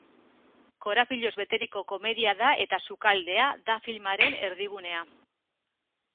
Korapiloz beteriko komedia da eta sukaldea da filmaren erdigunea.